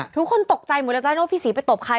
ทุกคนตกใจหมดแล้วท่านว่าพี่ศรีไปตบใคร